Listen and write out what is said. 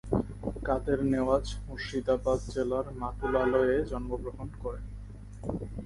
কাদের নেওয়াজ মুর্শিদাবাদ জেলার মাতুলালয়ে জন্মগ্রহণ করেন।